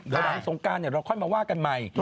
หลังสงกรรมป์เราค่อยมาว่ากันใหม่